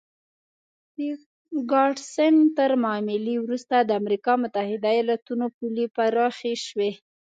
د ګاډسن تر معاملې وروسته د امریکا متحده ایالتونو پولې پراخې شوې.